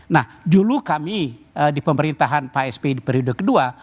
nah dulu kami di pemerintahan pak sp di periode kedua